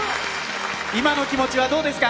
今の気持ちはどうですか？